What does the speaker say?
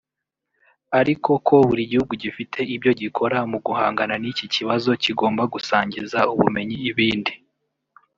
ariko ko buri gihugu gifite ibyo gikora mu guhangana n’iki kibazo kigomba gusangiza ubumenyi ibindi